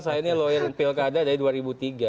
saya ini lawyer pilkada dari dua ribu tiga